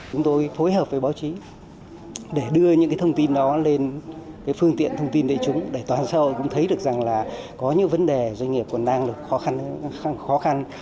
chúng tôi phối hợp với báo chí để đưa những thông tin đó lên phương tiện thông tin để chúng để toàn sâu cũng thấy được rằng là có những vấn đề doanh nghiệp còn đang khó khăn